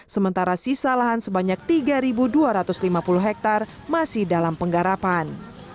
sementara sisa lahan sebanyak tiga dua ratus lima puluh hektare masih dalam penggarapan